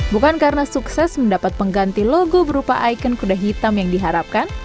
bukan karena sukses mendapat pengganti logo berupa ikon kuda hitam yang diharapkan